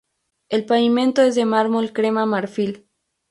El pavimento es de mármol crema marfil.